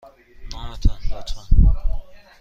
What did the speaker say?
نام تان، لطفاً.